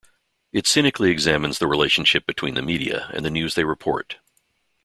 It cynically examines the relationship between the media and the news they report.